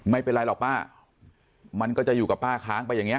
ไม่เป็นไรหรอกป้ามันก็จะอยู่กับป้าค้างไปอย่างนี้